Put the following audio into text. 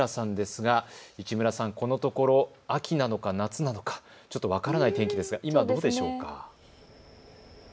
市村さん、このところ秋なのか夏なのか分からない天気ですが今はどうでしょうか。